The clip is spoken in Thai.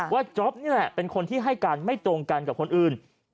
จ๊อปนี่แหละเป็นคนที่ให้การไม่ตรงกันกับคนอื่น